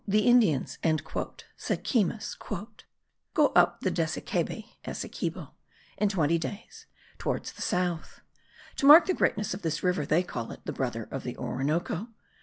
"The Indians," says Keymis, "go up the Dessekebe [Essequibo] in twenty days, towards the south. To mark the greatness of this river, they call it the brother of the Orinoco.